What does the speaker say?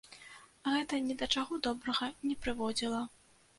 Гэта ні да чаго добрага не прыводзіла.